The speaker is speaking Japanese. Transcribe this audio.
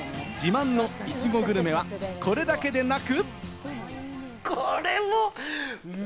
自慢のいちごグルメはこれだけでなく。